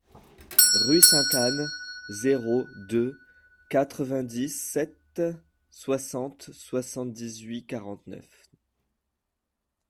Rue Sainte Anne, zéro deux quatre-vingt-dix-sept soixante soixante-dix-huit quarante-neuf.